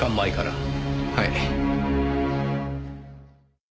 はい。